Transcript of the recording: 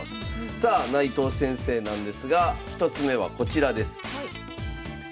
さあ内藤先生なんですが１つ目はこちらです。